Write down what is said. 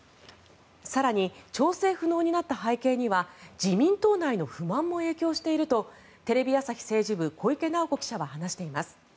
更に、調整不能になった背景には自民党内の不満も影響しているとテレビ朝日政治部小池直子記者は話しています。